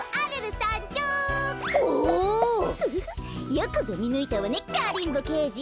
よくぞみぬいたわねガリンボけいじ。